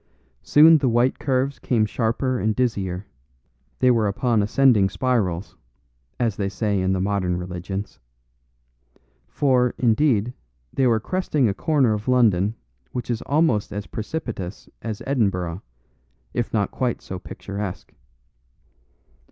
Soon the white curves came sharper and dizzier; they were upon ascending spirals, as they say in the modern religions. For, indeed, they were cresting a corner of London which is almost as precipitous as Edinburgh, if not quite so picturesque.